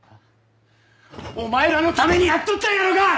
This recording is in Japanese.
お前らのためにやっとったんやろが！